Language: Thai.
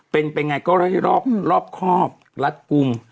เป็นไปไงก็ให้รอบครอบรัดกลุ่ม